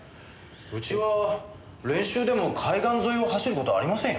うちは練習でも海岸沿いを走る事はありませんよ。